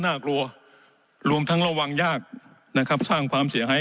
น่ากลัวรวมทั้งระวังยากนะครับสร้างความเสียหาย